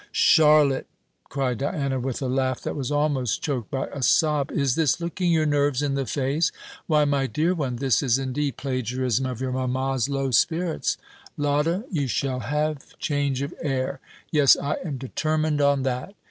"Charlotte!" cried Diana, with a laugh that was almost choked by a sob, "is this looking your nerves in the face? Why, my dear one, this is indeed plagiarism of your mamma's low spirits. Lotta, you shall have change of air; yes, I am determined on that.